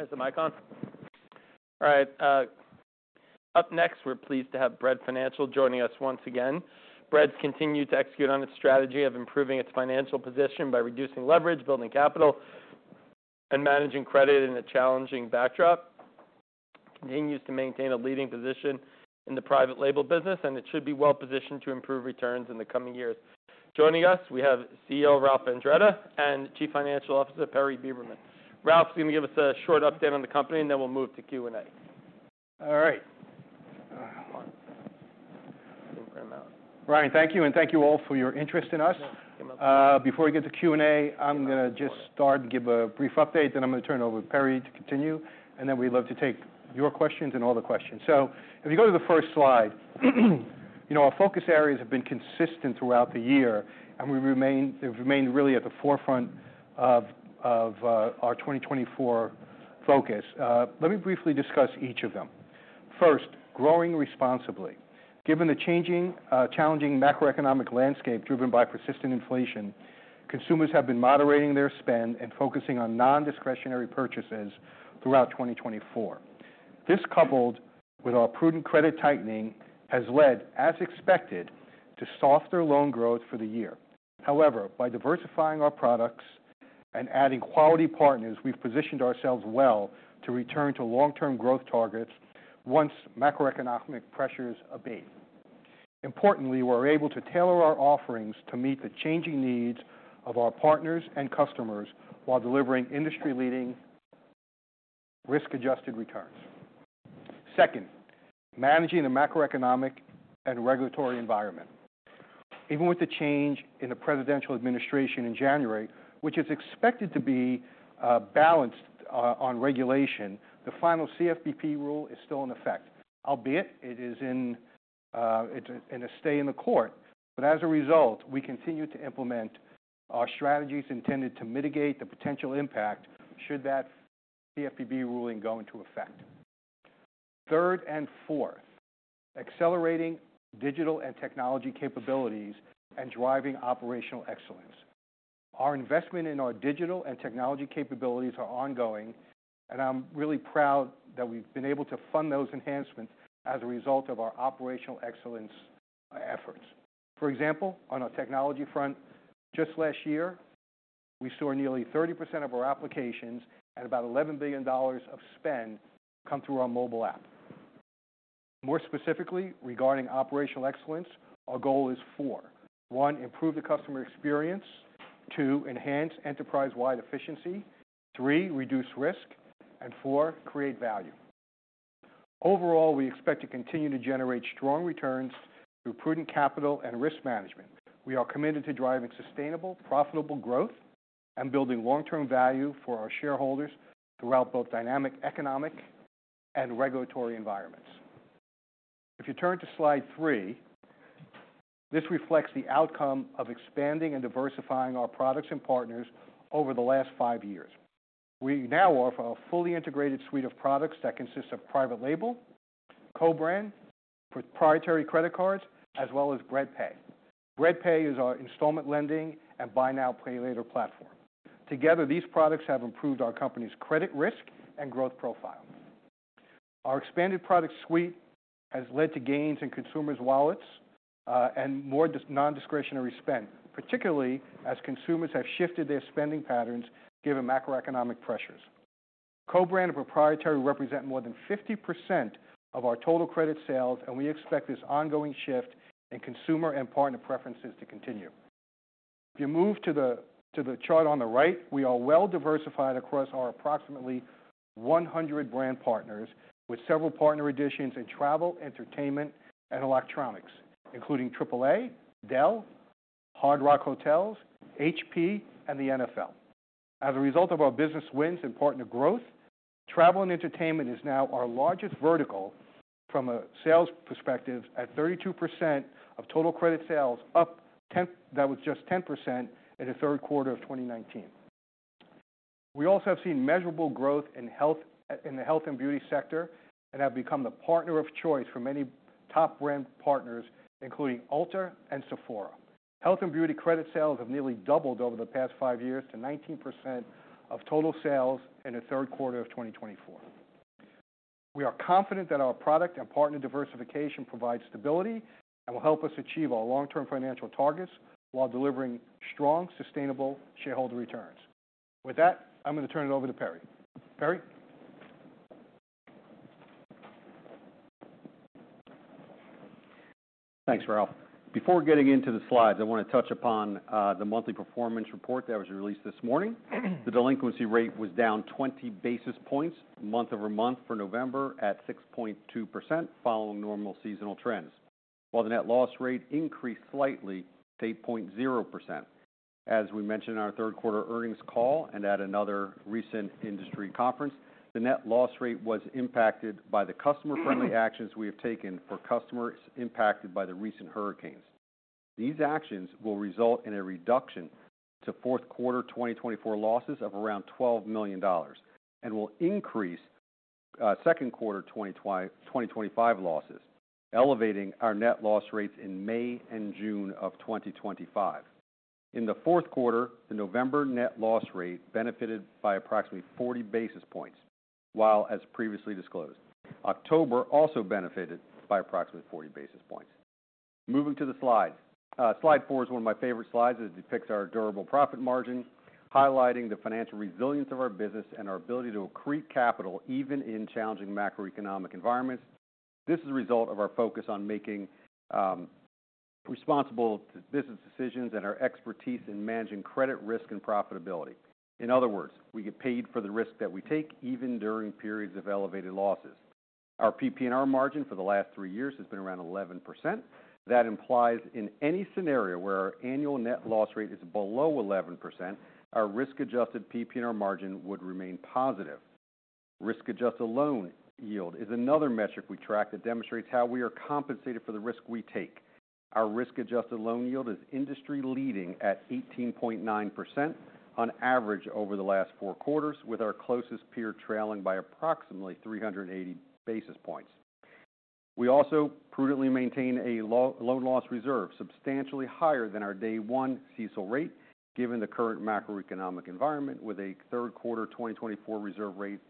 Hey, Samycon. All right. Up next, we're pleased to have Bread Financial joining us once again. Bread's continued to execute on its strategy of improving its financial position by reducing leverage, building capital, and managing credit in a challenging backdrop. It continues to maintain a leading position in the private label business, and it should be well-positioned to improve returns in the coming years. Joining us, we have CEO Ralph Andretta and Chief Financial Officer Perry Beberman. Ralph's gonna give us a short update on the company, and then we'll move to Q&A. All right. All right. Hold on. I think we're in and out. Ryan, thank you, and thank you all for your interest in us. Yeah. Come on. Before we get to Q&A, I'm gonna just start and give a brief update, then I'm gonna turn it over to Perry to continue, and then we'd love to take your questions and all the questions. So if you go to the first slide, you know, our focus areas have been consistent throughout the year, and they've remained really at the forefront of our 2024 focus. Let me briefly discuss each of them. First, growing responsibly. Given the changing, challenging macroeconomic landscape driven by persistent inflation, consumers have been moderating their spend and focusing on non-discretionary purchases throughout 2024. This, coupled with our prudent credit tightening, has led, as expected, to softer loan growth for the year. However, by diversifying our products and adding quality partners, we've positioned ourselves well to return to long-term growth targets once macroeconomic pressures abate. Importantly, we're able to tailor our offerings to meet the changing needs of our partners and customers while delivering industry-leading risk-adjusted returns. Second, managing the macroeconomic and regulatory environment. Even with the change in the presidential administration in January, which is expected to be balanced on regulation, the final CFPB rule is still in effect, albeit it's in a stay in the court. But as a result, we continue to implement our strategies intended to mitigate the potential impact should that CFPB ruling go into effect. Third and fourth, accelerating digital and technology capabilities and driving Operational Excellence. Our investment in our digital and technology capabilities are ongoing, and I'm really proud that we've been able to fund those enhancements as a result of our Operational Excellence efforts. For example, on our technology front, just last year, we saw nearly 30% of our applications and about $11 billion of spend come through our mobile app. More specifically, regarding operational excellence, our goal is four: one, improve the customer experience, two, enhance enterprise-wide efficiency, three, reduce risk, and four, create value. Overall, we expect to continue to generate strong returns through prudent capital and risk management. We are committed to driving sustainable, profitable growth and building long-term value for our shareholders throughout both dynamic economic and regulatory environments. If you turn to slide three, this reflects the outcome of expanding and diversifying our products and partners over the last five years. We now offer a fully integrated suite of products that consists of private label, co-brand, proprietary credit cards, as well as Bread Pay. Bread Pay is our installment lending and buy now, pay later platform. Together, these products have improved our company's credit risk and growth profile. Our expanded product suite has led to gains in consumers' wallets, and more non-discretionary spend, particularly as consumers have shifted their spending patterns given macroeconomic pressures. Co-brand and proprietary represent more than 50% of our total credit sales, and we expect this ongoing shift in consumer and partner preferences to continue. If you move to the chart on the right, we are well-diversified across our approximately 100 brand partners with several partner additions in travel, entertainment, and electronics, including AAA, Dell, Hard Rock Hotels, HP, and the NFL. As a result of our business wins in partner growth, travel and entertainment is now our largest vertical from a sales perspective at 32% of total credit sales, up 10%, that was just 10% in the third quarter of 2019. We also have seen measurable growth in the health and beauty sector and have become the partner of choice for many top brand partners, including Ulta and Sephora. Health and beauty credit sales have nearly doubled over the past five years to 19% of total sales in the third quarter of 2024. We are confident that our product and partner diversification provides stability and will help us achieve our long-term financial targets while delivering strong, sustainable shareholder returns. With that, I'm gonna turn it over to Perry. Perry. Thanks, Ralph. Before getting into the slides, I wanna touch upon the monthly performance report that was released this morning. The delinquency rate was down 20 basis points month over month for November at 6.2%, following normal seasonal trends, while the net loss rate increased slightly to 8.0%. As we mentioned in our third quarter earnings call and at another recent industry conference, the net loss rate was impacted by the customer-friendly actions we have taken for customers impacted by the recent hurricanes. These actions will result in a reduction to fourth quarter 2024 losses of around $12 million and will increase second quarter 2025 losses, elevating our net loss rates in May and June of 2025. In the fourth quarter, the November net loss rate benefited by approximately 40 basis points, while as previously disclosed, October also benefited by approximately 40 basis points. Moving to the slides. Slide four is one of my favorite slides as it depicts our durable profit margin, highlighting the financial resilience of our business and our ability to accrete capital even in challenging macroeconomic environments. This is a result of our focus on making responsible business decisions and our expertise in managing credit risk and profitability. In other words, we get paid for the risk that we take even during periods of elevated losses. Our PP&R margin for the last three years has been around 11%. That implies in any scenario where our annual net loss rate is below 11%, our risk-adjusted PPNR margin would remain positive. Risk-adjusted loan yield is another metric we track that demonstrates how we are compensated for the risk we take. Our risk-adjusted loan yield is industry-leading at 18.9% on average over the last four quarters, with our closest peer trailing by approximately 380 basis points. We also prudently maintain a loan loss reserve substantially higher than our day-one CECL rate, given the current macroeconomic environment, with a third quarter 2024 reserve rate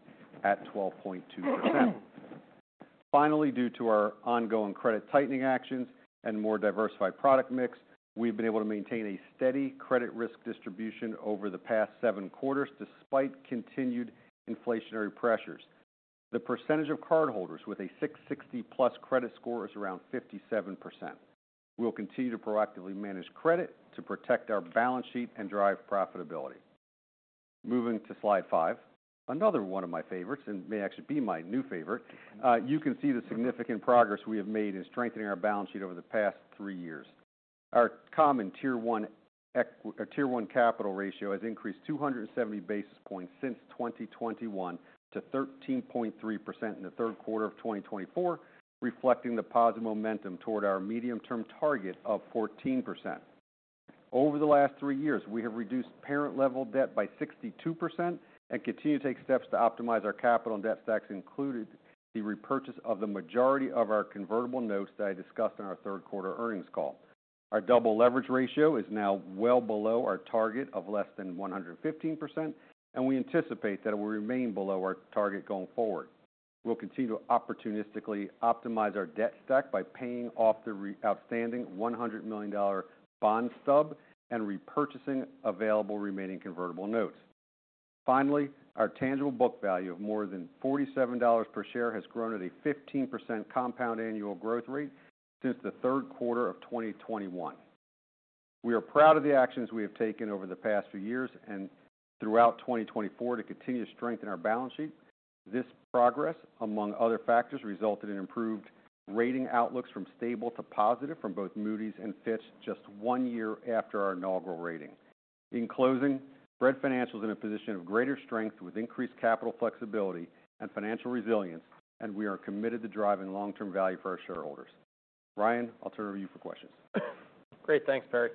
at 12.2%. Finally, due to our ongoing credit tightening actions and more diversified product mix, we've been able to maintain a steady credit risk distribution over the past seven quarters despite continued inflationary pressures. The percentage of cardholders with a 660-plus credit score is around 57%. We'll continue to proactively manage credit to protect our balance sheet and drive profitability. Moving to slide five, another one of my favorites, and may actually be my new favorite, you can see the significant progress we have made in strengthening our balance sheet over the past three years. Our common tier-one capital ratio has increased 270 basis points since 2021 to 13.3% in the third quarter of 2024, reflecting the positive momentum toward our medium-term target of 14%. Over the last three years, we have reduced parent-level debt by 62% and continue to take steps to optimize our capital and debt stacks, including the repurchase of the majority of our convertible notes that I discussed in our third quarter earnings call. Our double-leverage ratio is now well below our target of less than 115%, and we anticipate that it will remain below our target going forward. We'll continue to opportunistically optimize our debt stack by paying off the remaining outstanding $100 million bond stub and repurchasing available remaining convertible notes. Finally, our tangible book value of more than $47 per share has grown at a 15% compound annual growth rate since the third quarter of 2021. We are proud of the actions we have taken over the past few years and throughout 2024 to continue to strengthen our balance sheet. This progress, among other factors, resulted in improved rating outlooks from stable to positive from both Moody's and Fitch just one year after our inaugural rating. In closing, Bread Financial is in a position of greater strength with increased capital flexibility and financial resilience, and we are committed to driving long-term value for our shareholders. Ryan, I'll turn it over to you for questions. Great. Thanks, Perry.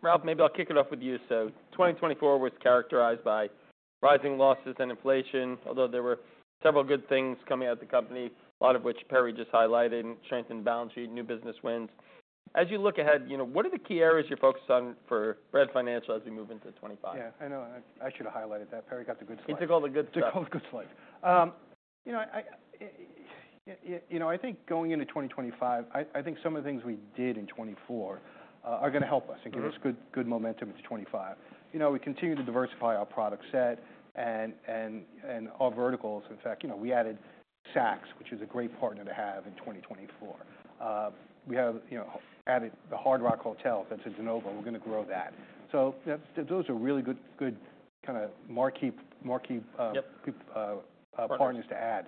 Ralph, maybe I'll kick it off with you. So 2024 was characterized by rising losses and inflation, although there were several good things coming out of the company, a lot of which Perry just highlighted: strengthened balance sheet, new business wins. As you look ahead, you know, what are the key areas you're focused on for Bread Financial as we move into 2025? Yeah. I know. I, I should have highlighted that. Perry got the good stuff. He took all the good stuff. Took all the good stuff. You know, you know, I think going into 2025, I think some of the things we did in 2024 are gonna help us and give us good momentum into 2025. You know, we continue to diversify our product set and our verticals. In fact, you know, we added Saks, which is a great partner to have in 2024. We have, you know, added the Hard Rock Hotels that's in de novo. We're gonna grow that. So those are really good kinda marquee. Yep. Partners to add.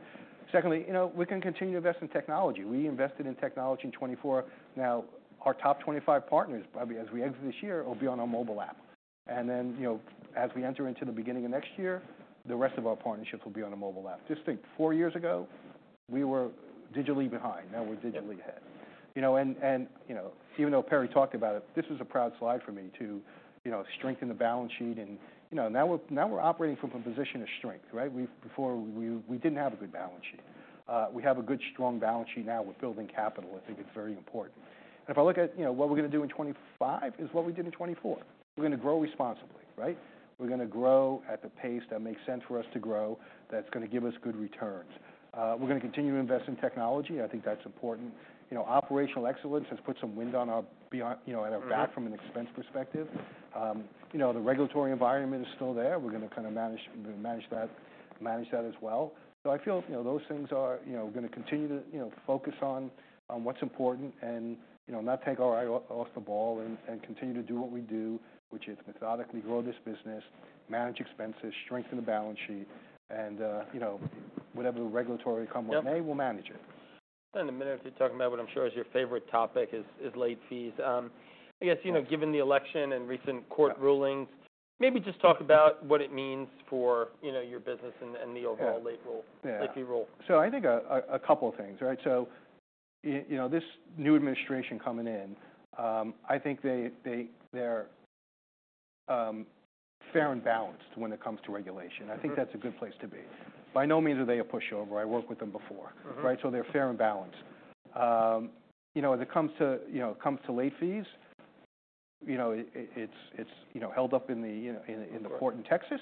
Secondly, you know, we can continue to invest in technology. We invested in technology in 2024. Now, our top 25 partners, probably as we exit this year, will be on our mobile app. And then, you know, as we enter into the beginning of next year, the rest of our partnerships will be on a mobile app. Just think, four years ago, we were digitally behind. Now, we're digitally ahead. You know, and you know, even though Perry talked about it, this is a proud slide for me to, you know, strengthen the balance sheet. And, you know, now we're operating from a position of strength, right? Before, we didn't have a good balance sheet. We have a good, strong balance sheet now. We're building capital. I think it's very important. And if I look at, you know, what we're gonna do in 2025 is what we did in 2024. We're gonna grow responsibly, right? We're gonna grow at the pace that makes sense for us to grow, that's gonna give us good returns. We're gonna continue to invest in technology. I think that's important. You know, operational excellence has put some wind on our behind, you know, at our back from an expense perspective. You know, the regulatory environment is still there. We're gonna kinda manage, manage that, manage that as well. So, I feel, you know, those things are, you know, gonna continue to, you know, focus on what's important and, you know, not take our eye off the ball and continue to do what we do, which is methodically grow this business, manage expenses, strengthen the balance sheet, and, you know, whatever the regulatory comeuppance may, we'll manage it. In a minute, you're talking about what I'm sure is your favorite topic, late fees. I guess, you know, given the election and recent court rulings, maybe just talk about what it means for, you know, your business and the overall late rule. Yeah. Late fee rule. So I think a couple of things, right? So you know, this new administration coming in, I think they're fair and balanced when it comes to regulation. I think that's a good place to be. By no means are they a pushover. I worked with them before. Mm-hmm. Right? So they're fair and balanced. You know, as it comes to, you know, it comes to late fees, you know, it's, it's, you know, held up in the, you know, in, in the court in Texas.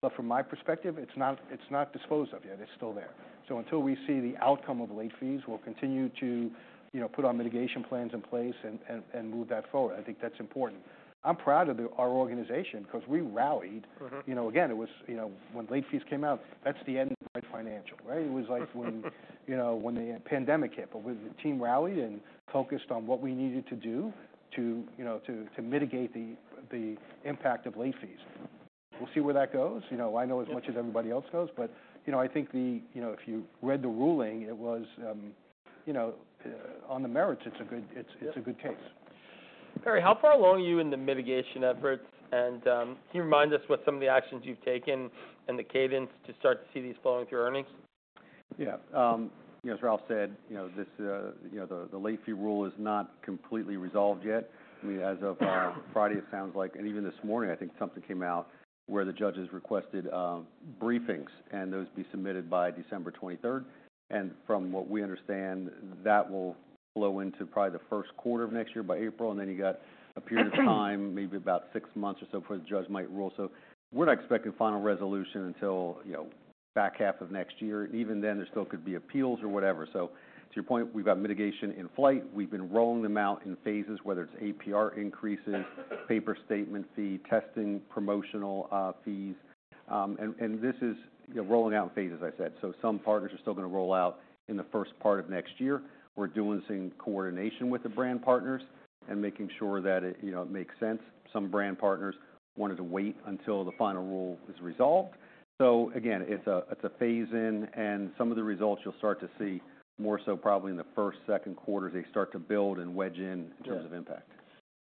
But from my perspective, it's not, it's not disposed of yet. It's still there. So until we see the outcome of late fees, we'll continue to, you know, put our mitigation plans in place and, and, and move that forward. I think that's important. I'm proud of the our organization 'cause we rallied. Mm-hmm. You know, again, it was, you know, when late fees came out, that's the end of Bread Financial, right? It was like when, you know, when the pandemic hit, but with the team rallied and focused on what we needed to do to, you know, to mitigate the impact of late fees. We'll see where that goes. You know, I know as much as everybody else knows, but, you know, I think the, you know, if you read the ruling, it was, you know, on the merits, it's a good case. Perry, how far along are you in the mitigation efforts? And, can you remind us what some of the actions you've taken and the cadence to start to see these flowing through earnings? Yeah. You know, as Ralph said, you know, this, you know, the late fee rule is not completely resolved yet. I mean, as of Friday, it sounds like, and even this morning, I think something came out where the judges requested briefings, and those will be submitted by December 23rd. And from what we understand, that will flow into probably the first quarter of next year, by April. And then you got a period of time. Okay. Maybe about six months or so before the judge might rule. So we're not expecting final resolution until, you know, back half of next year. And even then, there still could be appeals or whatever. So to your point, we've got mitigation in flight. We've been rolling them out in phases, whether it's APR increases, paper statement fee, testing, promotional, fees. And this is, you know, rolling out in phases, I said. So some partners are still gonna roll out in the first part of next year. We're doing some coordination with the brand partners and making sure that it, you know, it makes sense. Some brand partners wanted to wait until the final rule is resolved. So again, it's a phase in, and some of the results you'll start to see more so probably in the first, second quarter as they start to build and wedge in terms of impact.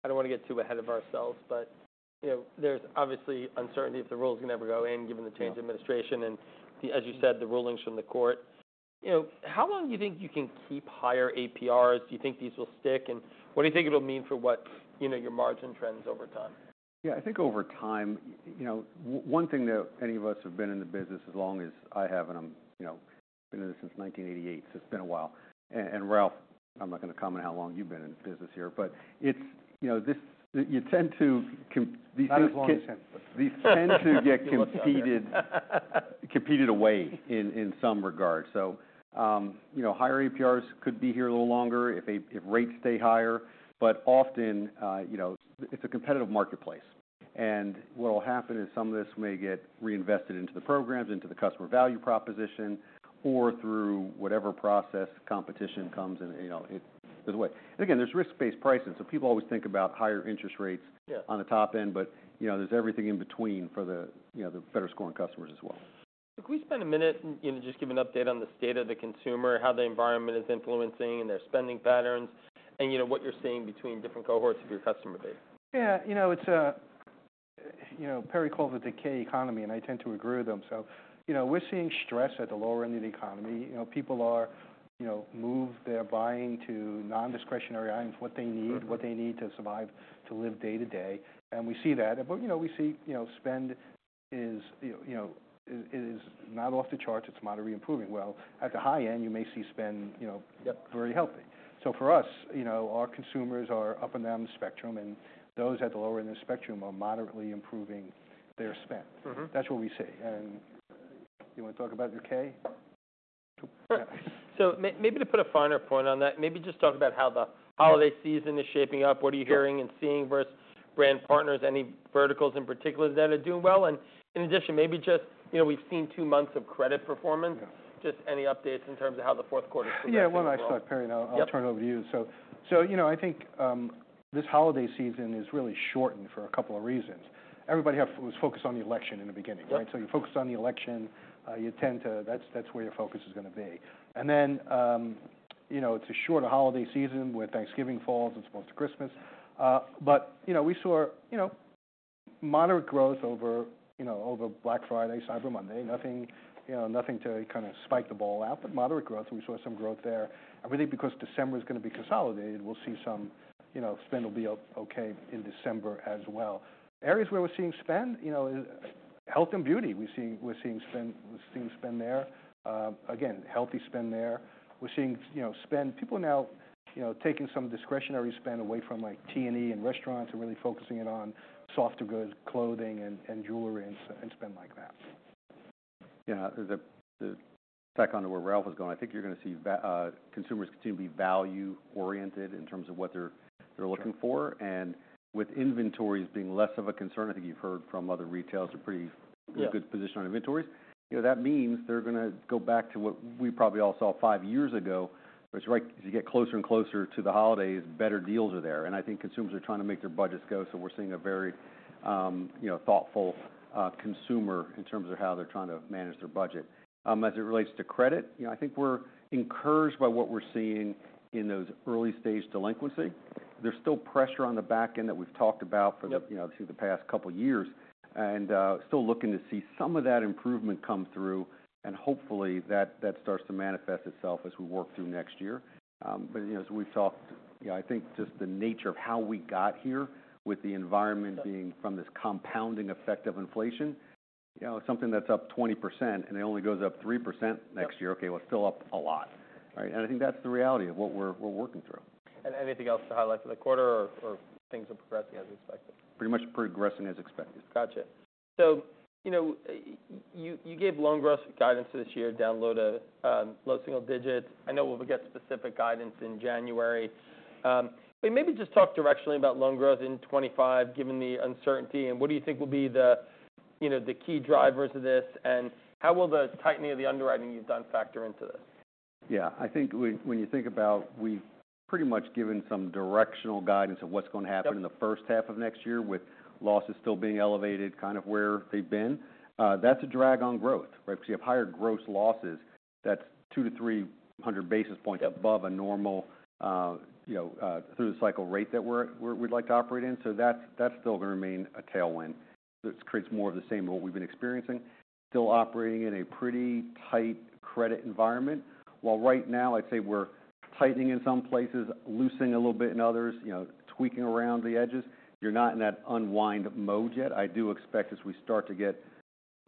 I don't wanna get too ahead of ourselves, but, you know, there's obviously uncertainty if the rules can ever go in given the change. Mm-hmm. Administration and, as you said, the rulings from the court. You know, how long do you think you can keep higher APRs? Do you think these will stick? And what do you think it'll mean for what, you know, your margin trends over time? Yeah. I think over time, you know, one thing that any of us have been in the business as long as I have, and I'm, you know, been in this since 1988, so it's been a while. And Ralph, I'm not gonna comment how long you've been in business here, but it's, you know, this you tend to com. I have a longer sense of it. These tend to get competed away in some regard. So, you know, higher APRs could be here a little longer if rates stay higher. But often, you know, it's a competitive marketplace. And what'll happen is some of this may get reinvested into the programs, into the customer value proposition, or through whatever process competition comes in, you know, there's a way. And again, there's risk-based pricing. So people always think about higher interest rates. Yeah. On the top end, but, you know, there's everything in between for the, you know, the better-scoring customers as well. Could we spend a minute and, you know, just give an update on the state of the consumer, how the environment is influencing their spending patterns, and, you know, what you're seeing between different cohorts of your customer base? Yeah. You know, it's a, you know, Perry calls it a decay economy, and I tend to agree with him. So, you know, we're seeing stress at the lower end of the economy. You know, people are, you know, moved. They're buying to non-discretionary items, what they need, what they need to survive, to live day to day. And we see that. But, you know, we see, you know, spend is, you know, it is not off the charts. It's moderately improving. Well, at the high end, you may see spend, you know. Yep. Very healthy. So for us, you know, our consumers are up and down the spectrum, and those at the lower end of the spectrum are moderately improving their spend. Mm-hmm. That's what we see. And you wanna talk about decay? Yeah. So maybe to put a finer point on that, maybe just talk about how the holiday season is shaping up. What are you hearing and seeing versus brand partners, any verticals in particular that are doing well? And in addition, maybe just, you know, we've seen two months of credit performance. Yeah. Just any updates in terms of how the fourth quarter is progressing? Yeah. Why don't I start, Perry? Yeah. I'll turn it over to you. So you know, I think this holiday season is really shortened for a couple of reasons. Everybody was focused on the election in the beginning, right? Yeah. You focus on the election. You tend to that. That's where your focus is gonna be. Then, you know, it's a shorter holiday season where Thanksgiving falls and it misses most of Christmas. But, you know, we saw, you know, moderate growth over, you know, over Black Friday, Cyber Monday. Nothing, you know, nothing to kinda spike the ball out, but moderate growth. We saw some growth there. And really, because December is gonna be consolidated, we'll see some, you know, spend will be okay in December as well. Areas where we're seeing spend, you know, is health and beauty. We're seeing spend there. Again, healthy spend there. We're seeing, you know, spend. People now, you know, taking some discretionary spend away from, like, T&E and restaurants and really focusing it on soft goods, clothing and, and jewelry and shoes and spend like that. Yeah. Back on to where Ralph was going, I think you're gonna see our consumers continue to be value-oriented in terms of what they're looking for. And with inventories being less of a concern, I think you've heard from other retailers are pretty. Yeah. In a good position on inventories. You know, that means they're gonna go back to what we probably all saw five years ago, which, right, as you get closer and closer to the holidays, better deals are there. And I think consumers are trying to make their budgets go. So we're seeing a very, you know, thoughtful, consumer in terms of how they're trying to manage their budget. As it relates to credit, you know, I think we're encouraged by what we're seeing in those early-stage delinquency. There's still pressure on the back end that we've talked about for the. Yep. You know, through the past couple of years and still looking to see some of that improvement come through, and hopefully, that, that starts to manifest itself as we work through next year, but you know, as we've talked, you know, I think just the nature of how we got here with the environment. Yep. Borne from this compounding effect of inflation, you know, something that's up 20% and it only goes up 3% next year. Yeah. Okay. Well, it's still up a lot, right? And I think that's the reality of what we're, we're working through. And anything else to highlight for the quarter or, or things are progressing as expected? Pretty much progressing as expected. Gotcha. So, you know, you gave loan growth guidance for this year, down low-teens to low single digits. I know we'll get specific guidance in January. But maybe just talk directionally about loan growth in 2025 given the uncertainty. And what do you think will be the, you know, the key drivers of this? And how will the tightening of the underwriting you've done factor into this? Yeah. I think when, when you think about, we've pretty much given some directional guidance of what's gonna happen. Yep. In the first half of next year with losses still being elevated, kind of where they've been, that's a drag on growth, right? 'Cause you have higher gross losses. That's two to three hundred basis points. Yep. Above a normal, you know, through-the-cycle rate that we're, we'd like to operate in. So that's still gonna remain a tailwind. That creates more of the same of what we've been experiencing, still operating in a pretty tight credit environment. While right now, I'd say we're tightening in some places, loosening a little bit in others, you know, tweaking around the edges. You're not in that unwind mode yet. I do expect as we start to get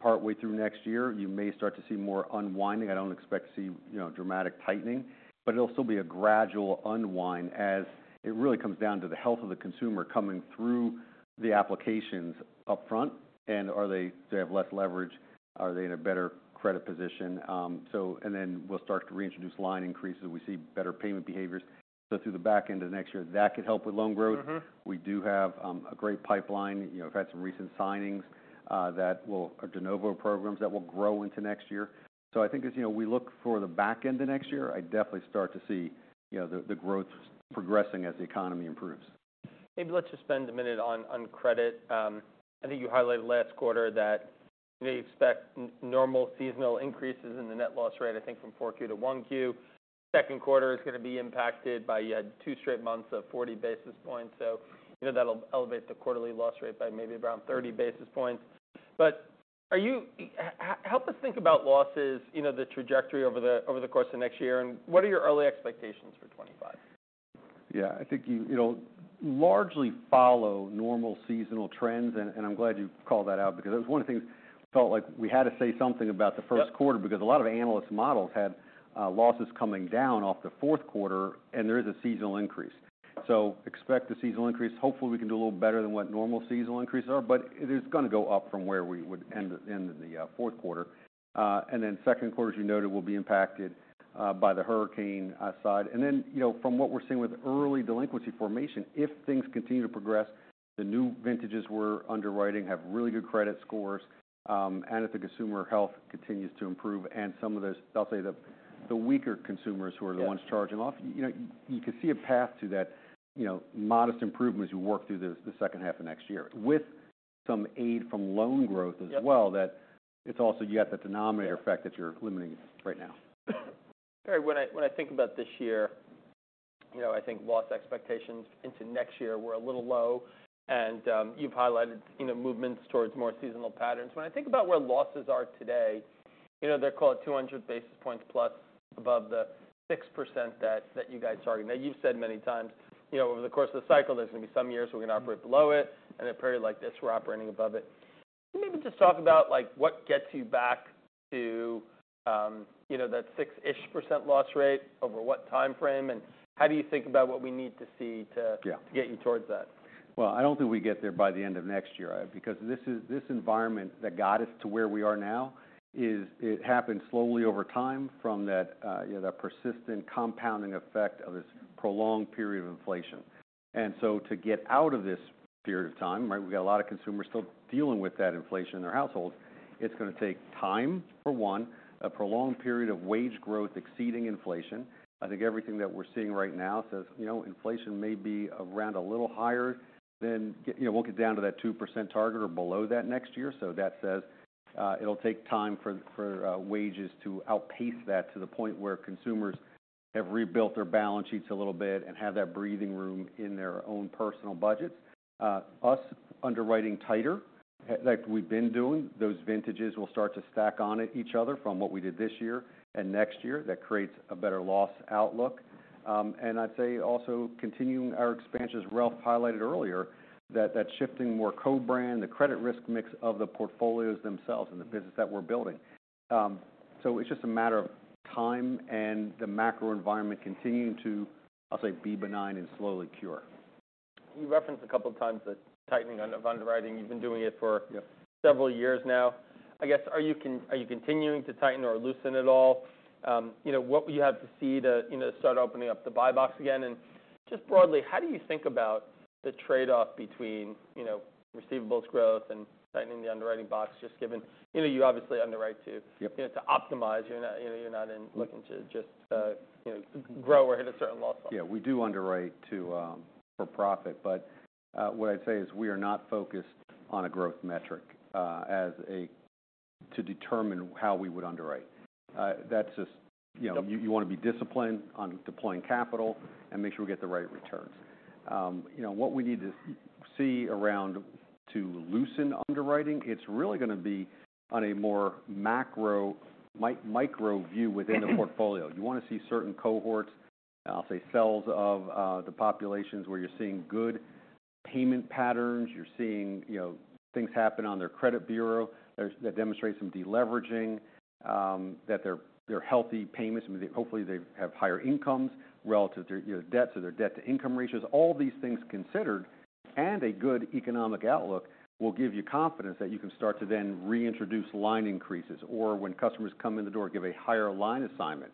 partway through next year, you may start to see more unwinding. I don't expect to see, you know, dramatic tightening, but it'll still be a gradual unwind as it really comes down to the health of the consumer coming through the applications upfront. And are they, do they have less leverage? Are they in a better credit position? So and then we'll start to reintroduce line increases. We see better payment behaviors. So through the back end of next year, that could help with loan growth. Mm-hmm. We do have a great pipeline. You know, we've had some recent signings that will or de novo programs that will grow into next year, so I think as you know, we look for the back end of next year, I definitely start to see you know, the growth progressing as the economy improves. Maybe let's just spend a minute on, on credit. I think you highlighted last quarter that, you know, you expect normal seasonal increases in the net loss rate, I think, from 4Q to 1Q. Second quarter is gonna be impacted by, you had two straight months of 40 basis points. So, you know, that'll elevate the quarterly loss rate by maybe around 30 basis points. But are you help us think about losses, you know, the trajectory over the, over the course of next year. And what are your early expectations for 2025? Yeah. I think, you know, largely follow normal seasonal trends. And I'm glad you called that out because that was one of the things we felt like we had to say something about the first quarter because a lot of analyst models had losses coming down off the fourth quarter, and there is a seasonal increase. So expect a seasonal increase. Hopefully, we can do a little better than what normal seasonal increases are, but it is gonna go up from where we would end in the fourth quarter, and then second quarter, as you noted, will be impacted by the hurricane side. And then, you know, from what we're seeing with early delinquency formation, if things continue to progress, the new vintages we're underwriting have really good credit scores, and if the consumer health continues to improve and some of those, I'll say, the weaker consumers who are the ones charging off, you know, you can see a path to that, you know, modest improvement as you work through the second half of next year with some aid from loan growth as well. Yeah. That it's also, you got that denominator effect that you're limiting right now. Perry, when I think about this year, you know, I think loss expectations into next year were a little low, and you've highlighted, you know, movements towards more seasonal patterns. When I think about where losses are today, you know, they're call it 200 basis points plus above the 6% that you guys target. Now, you've said many times, you know, over the course of the cycle, there's gonna be some years we're gonna operate below it, and at Perry, like this, we're operating above it. Can you maybe just talk about, like, what gets you back to, you know, that 6-ish% loss rate over what time frame? And how do you think about what we need to see to. Yeah. To get you towards that? Well, I don't think we get there by the end of next year, because this environment that got us to where we are now, it happened slowly over time from that, you know, that persistent compounding effect of this prolonged period of inflation. And so to get out of this period of time, right, we got a lot of consumers still dealing with that inflation in their households. It's gonna take time for one, a prolonged period of wage growth exceeding inflation. I think everything that we're seeing right now says, you know, inflation may be around a little higher than, you know, won't get down to that 2% target or below that next year. So that says it'll take time for wages to outpace that to the point where consumers have rebuilt their balance sheets a little bit and have that breathing room in their own personal budgets. Our underwriting tighter, like we've been doing, those vintages will start to stack on each other from what we did this year and next year. That creates a better loss outlook. And I'd say also continuing our expansions, Ralph highlighted earlier, that shifting more co-brand, the credit risk mix of the portfolios themselves and the business that we're building. So it's just a matter of time and the macro environment continuing to, I'll say, be benign and slowly cure. You referenced a couple of times the tightening of underwriting. You've been doing it for. Yep. Several years now. I guess, are you continuing to tighten or loosen at all? You know, what will you have to see to, you know, start opening up the buy box again? And just broadly, how do you think about the trade-off between, you know, receivables growth and tightening the underwriting box just given, you know, you obviously underwrite to. Yep. You know, to optimize. You're not, you know, you're not in. Yep. Looking to just, you know, grow or hit a certain loss level. Yeah. We do underwrite to for profit. But what I'd say is we are not focused on a growth metric as a to determine how we would underwrite. That's just, you know. Yep. You wanna be disciplined on deploying capital and make sure we get the right returns. You know, what we need to see around to loosen underwriting, it's really gonna be on a more macro micro view within the portfolio. You wanna see certain cohorts, I'll say cells of, the populations where you're seeing good payment patterns. You're seeing, you know, things happen on their credit bureau. There's that demonstrates some deleveraging, that they're healthy payments. I mean, they hopefully, they have higher incomes relative to their, you know, debts or their debt-to-income ratios. All these things considered and a good economic outlook will give you confidence that you can start to then reintroduce line increases or when customers come in the door, give a higher line assignment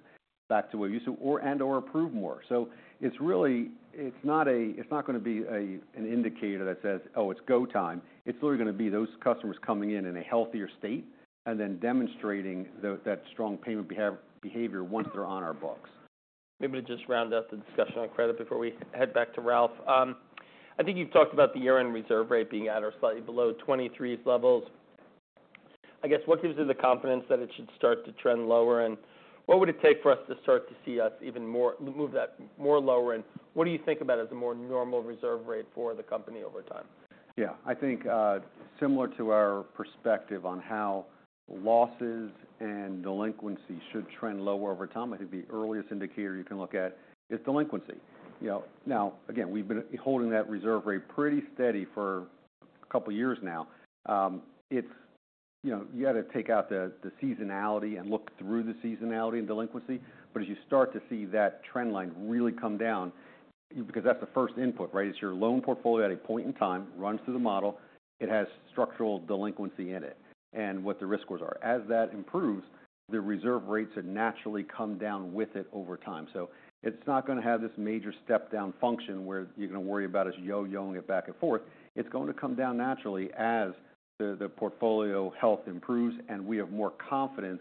back to what you used to or and/or approve more. So it's really not gonna be an indicator that says, "Oh, it's go time." It's really gonna be those customers coming in in a healthier state and then demonstrating that strong payment behavior once they're on our books. Maybe to just round out the discussion on credit before we head back to Ralph, I think you've talked about the year-end reserve rate being at or slightly below 2023's levels. I guess, what gives you the confidence that it should start to trend lower? And what would it take for us to start to see it even more lower? And what do you think about as a more normal reserve rate for the company over time? Yeah. I think, similar to our perspective on how losses and delinquency should trend lower over time, I think the earliest indicator you can look at is delinquency. You know, now, again, we've been holding that reserve rate pretty steady for a couple of years now. It's, you know, you gotta take out the seasonality and look through the seasonality and delinquency. But as you start to see that trend line really come down, you because that's the first input, right? It's your loan portfolio at a point in time, runs through the model. It has structural delinquency in it and what the risk scores are. As that improves, the reserve rates have naturally come down with it over time. So it's not gonna have this major step-down function where you're gonna worry about us yo-yoing it back and forth. It's going to come down naturally as the portfolio health improves and we have more confidence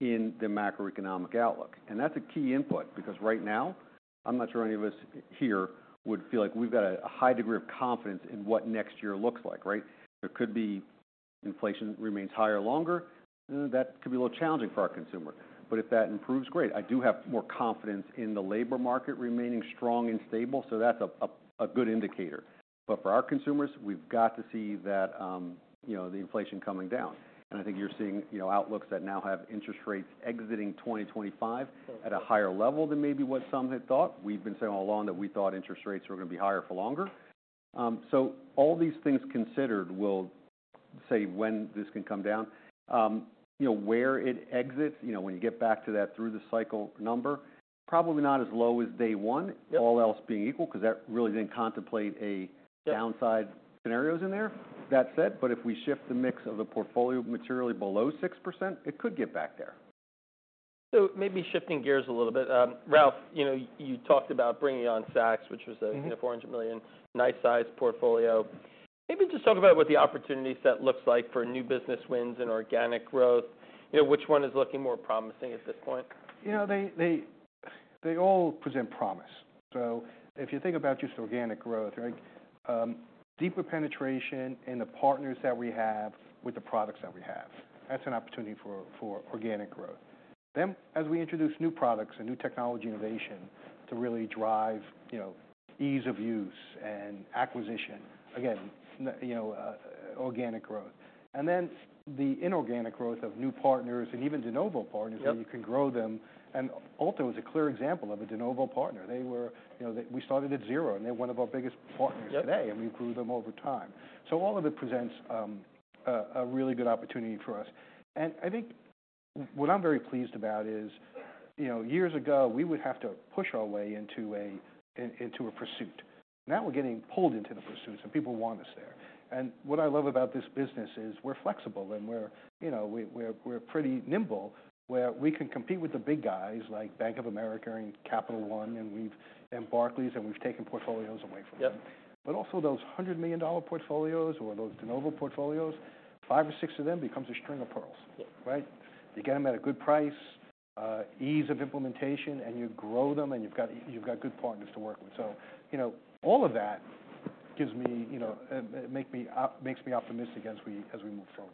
in the macroeconomic outlook. And that's a key input because right now, I'm not sure any of us here would feel like we've got a high degree of confidence in what next year looks like, right? There could be inflation remains higher longer. That could be a little challenging for our consumer. But if that improves, great. I do have more confidence in the labor market remaining strong and stable. So that's a good indicator. But for our consumers, we've got to see that, you know, the inflation coming down. And I think you're seeing, you know, outlooks that now have interest rates exiting 2025. Mm-hmm. At a higher level than maybe what some had thought. We've been saying all along that we thought interest rates were gonna be higher for longer. So all these things considered will say when this can come down. You know, where it exits, you know, when you get back to that through-the-cycle number, probably not as low as day one. Yep. All else being equal because that really didn't contemplate a. Yep. Downside scenarios in there. That said, but if we shift the mix of the portfolio materially below 6%, it could get back there. So maybe shifting gears a little bit, Ralph, you know, you talked about bringing on Saks, which was a. Mm-hmm. You know, $400 million nice-sized portfolio. Maybe just talk about what the opportunity set looks like for new business wins and organic growth. You know, which one is looking more promising at this point? You know, they all present promise. So if you think about just organic growth, right, deeper penetration in the partners that we have with the products that we have, that's an opportunity for organic growth. Then as we introduce new products and new technology innovation to really drive, you know, ease of use and acquisition, again, and you know, organic growth. And then the inorganic growth of new partners and even de novo partners. Yep. Where you can grow them. Ulta is a clear example of a de novo partner. They were, you know, we started at zero and they're one of our biggest partners. Yep. Today and we grew them over time. All of it presents a really good opportunity for us. I think what I'm very pleased about is, you know, years ago, we would have to push our way into a pursuit. Now we're getting pulled into the pursuits and people want us there. What I love about this business is we're flexible and we're, you know, we're pretty nimble where we can compete with the big guys like Bank of America and Capital One and Barclays and we've taken portfolios away from them. Yep. But also those $100 million portfolios or those de novo portfolios, five or six of them becomes a string of pearls. Yep. Right? You get them at a good price, ease of implementation, and you grow them and you've got good partners to work with. So, you know, all of that gives me, you know, makes me optimistic as we move forward.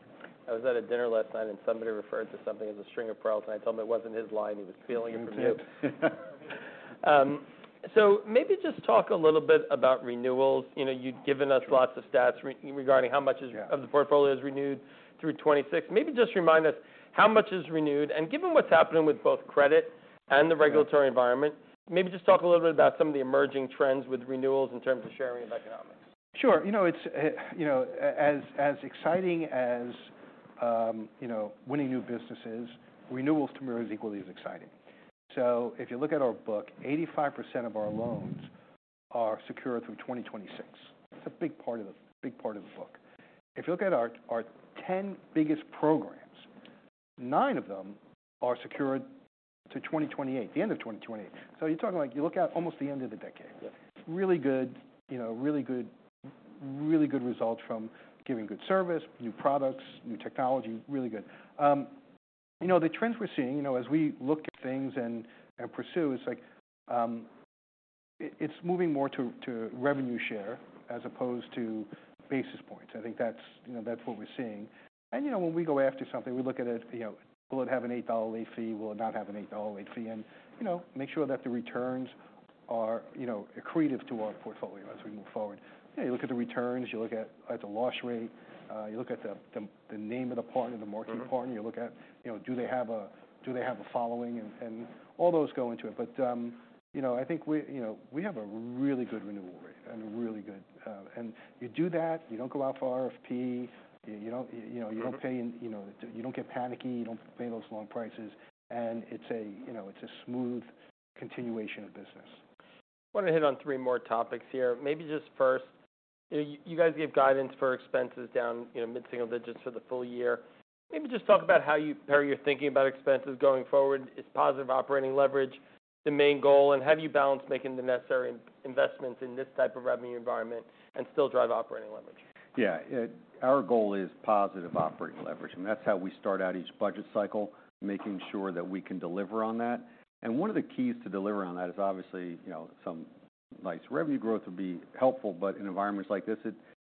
I was at a dinner last night and somebody referred to something as a string of pearls. And I told him it wasn't his line. He was stealing it from you. Yep. So maybe just talk a little bit about renewals. You know, you'd given us lots of stats regarding how much is. Yeah. of the portfolio is renewed through 2026. Maybe just remind us how much is renewed, and given what's happening with both credit and the regulatory environment, maybe just talk a little bit about some of the emerging trends with renewals in terms of sharing of economics. Sure. You know, it's, you know, as exciting as, you know, winning new businesses, renewals to me are as equally as exciting. So if you look at our book, 85% of our loans are secure through 2026. It's a big part of the big part of the book. If you look at our 10 biggest programs, nine of them are secured to 2028, the end of 2028. So you're talking like you look at almost the end of the decade. Yep. Really good, you know, really good, really good results from giving good service, new products, new technology, really good. You know, the trends we're seeing, you know, as we look at things and pursue, it's like, it's moving more to revenue share as opposed to basis points. I think that's, you know, that's what we're seeing. You know, when we go after something, we look at it, you know, will it have an $8 late fee? Will it not have an $8 late fee? You know, make sure that the returns are, you know, accretive to our portfolio as we move forward. You know, you look at the returns, you look at the loss rate, you look at the name of the partner, the market partner. Mm-hmm. You look at, you know, do they have a following? And all those go into it. But, you know, I think we, you know, we have a really good renewal rate and a really good, and you do that, you don't go out for RFP, you don't, you know, you don't pay in, you know, you don't get panicky, you don't pay those long prices. And it's a, you know, it's a smooth continuation of business. I'm going to hit on three more topics here. Maybe just first, you know, you, you guys give guidance for expenses down, you know, mid-single digits for the full year. Maybe just talk about how you, how you're thinking about expenses going forward. It's positive operating leverage, the main goal, and how do you balance making the necessary investments in this type of revenue environment and still drive operating leverage? Yeah. Our goal is positive operating leverage. I mean, that's how we start out each budget cycle, making sure that we can deliver on that. And one of the keys to deliver on that is obviously, you know, some nice revenue growth would be helpful. But in environments like this,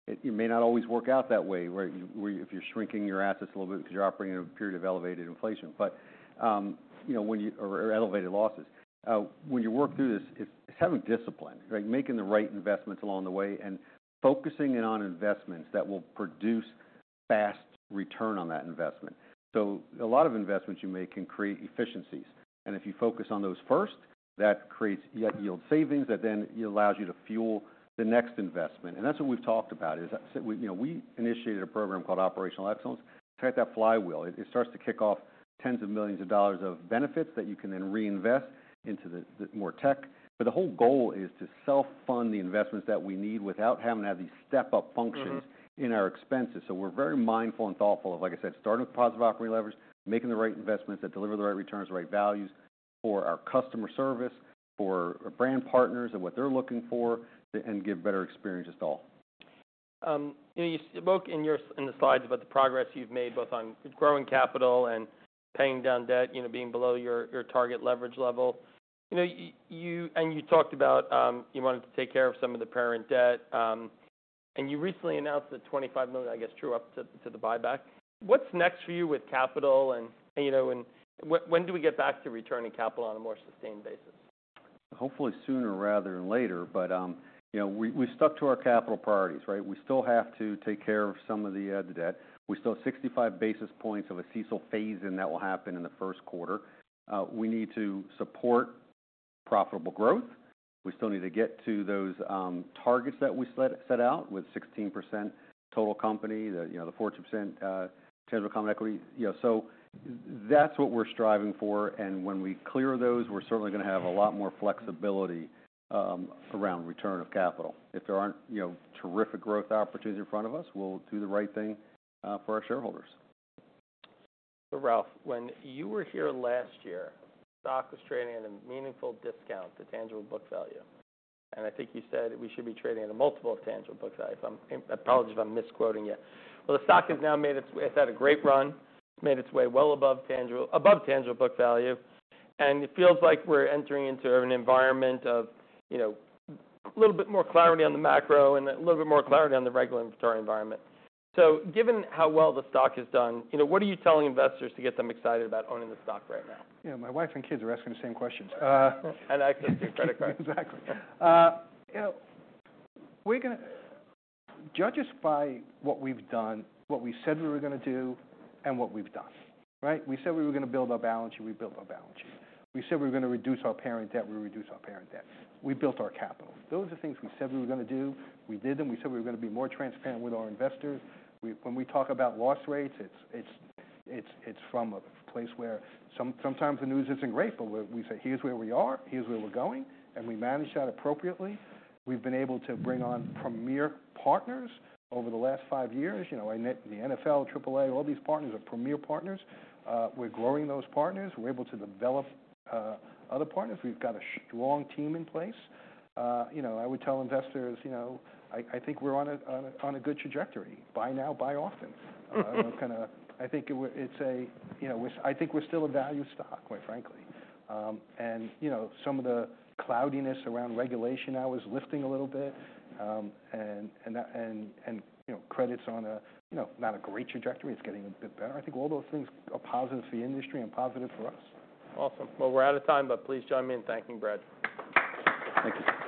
it may not always work out that way where if you're shrinking your assets a little bit 'cause you're operating in a period of elevated inflation. But, you know, when you or elevated losses, when you work through this, it's having discipline, right? Making the right investments along the way and focusing in on investments that will produce fast return on that investment. So a lot of investments you make can create efficiencies. And if you focus on those first, that creates net yield savings that then allows you to fuel the next investment. That's what we've talked about is, so we, you know, we initiated a program called Operational Excellence. It's like that flywheel. It starts to kick off tens of millions of dollars of benefits that you can then reinvest into the more tech. But the whole goal is to self-fund the investments that we need without having to have these step-up functions. Yep. In our expenses. So we're very mindful and thoughtful of, like I said, starting with positive operating leverage, making the right investments that deliver the right returns, the right values for our customer service, for our brand partners and what they're looking for, and give better experience to all. You know, you spoke in the slides about the progress you've made both on growing capital and paying down debt, you know, being below your target leverage level. You know, you talked about, you wanted to take care of some of the parent debt. You recently announced that $25 million, I guess, drew up to the buyback. What's next for you with capital and, you know, when do we get back to returning capital on a more sustained basis? Hopefully sooner rather than later. But, you know, we stuck to our capital priorities, right? We still have to take care of some of the debt. We still have 65 basis points of a CECL phase-in that will happen in the first quarter. We need to support profitable growth. We still need to get to those targets that we set out with 16% total company, you know, the 14% tangible common equity. You know, so that's what we're striving for. And when we clear those, we're certainly gonna have a lot more flexibility around return of capital. If there aren't, you know, terrific growth opportunities in front of us, we'll do the right thing for our shareholders. So, Ralph, when you were here last year, stock was trading at a meaningful discount to tangible book value. And I think you said we should be trading at a multiple of tangible book value. If I'm, I apologize if I'm misquoting you. Well, the stock has now made its way. It's had a great run, made its way well above tangible book value. And it feels like we're entering into an environment of, you know, a little bit more clarity on the macro and a little bit more clarity on the regulatory environment. So given how well the stock has done, you know, what are you telling investors to get them excited about owning the stock right now? You know, my wife and kids are asking the same questions. Access to your credit card. Exactly. You know, we're gonna judge us by what we've done, what we said we were gonna do, and what we've done, right? We said we were gonna build our balance sheet. We built our balance sheet. We said we were gonna reduce our parent debt. We reduced our parent debt. We built our capital. Those are things we said we were gonna do. We did them. We said we were gonna be more transparent with our investors. We, when we talk about loss rates, it's from a place where sometimes the news isn't great, but we say, "Here's where we are. Here's where we're going." And we managed that appropriately. We've been able to bring on premier partners over the last five years. You know, I mean the NFL, AAA, all these partners are premier partners. We're growing those partners. We're able to develop other partners. We've got a strong team in place. You know, I would tell investors, you know, I think we're on a good trajectory. Buy now, buy often. Mm-hmm. I think we're still a value stock, quite frankly. You know, some of the cloudiness around regulation now is lifting a little bit. That, you know, credits on a not great trajectory. It's getting a bit better. I think all those things are positive for the industry and positive for us. Awesome. Well, we're out of time, but please join me in thanking Brad. Thank you.